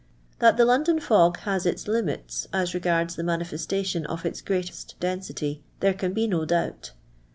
That the London fog na>« its limiU as regards the inanifestatiim of its greatest density, there cm be no doubt.